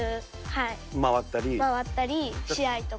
回ったり、試合とか。